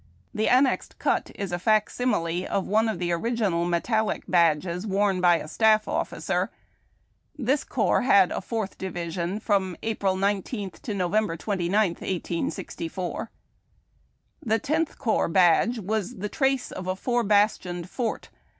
The annexed cut is a fac simile of one of the original metallic badges worn by a staff officer. This corps had a fourth division from April 19 to Nov. 29, 1864. The Tenth Corps badge Avas the trace of a four bastion ed fort.